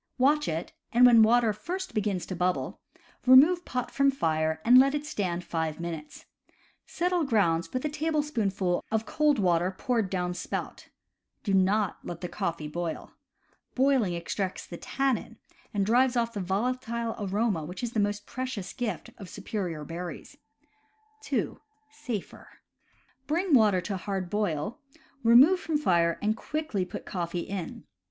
Watch it, and when water first begins to bubble, remove pot from fire and let it stand five minutes. Settle grounds with a tablespoonful of cold water poured down spout. Do not let the coffee boil. Boiling extracts the tannin, and drives off the volatile aroma which is the most precious gift of superior berries. (2) (Safer.) Bring water to hard boil, remove from fire and quickly put coffee in.